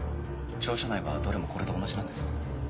庁舎内はどれもこれと同じなんです。